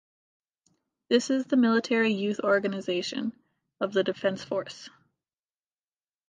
This is the Military youth organisation of The Defence Force.